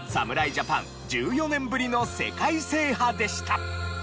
ジャパン１４年ぶりの世界制覇でした。